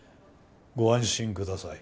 ご安心ください。